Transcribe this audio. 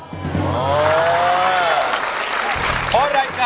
เพลงนี้สี่หมื่นบาทเอามาดูกันนะครับ